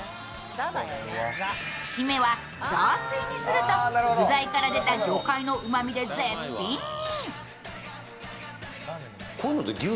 締めは雑炊にすると、具材から出た魚介のうまみで絶品に。